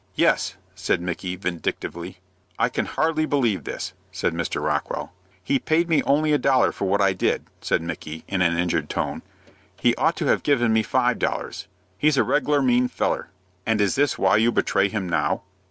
"Yes," said Micky, vindictively. "I can hardly believe this," said Mr. Rockwell. "He paid me only a dollar for what I did," said Micky, in an injured tone. "He'd ought to have given me five dollars. He's a reg'lar mean feller." "And is this why you betray him now?"